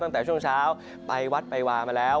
ตั้งแต่ช่วงเช้าไปวัดไปวามาแล้ว